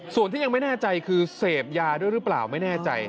ส่วนที่ยังไม่แน่ใจคือเสพยาด้วยหรือเปล่าไม่แน่ใจ